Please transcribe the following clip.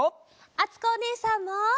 あつこおねえさんも。